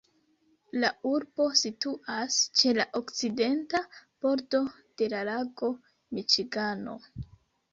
La urbo situas ĉe la okcidenta bordo de la lago Miĉigano.